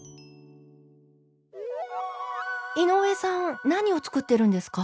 井上さん何を作ってるんですか？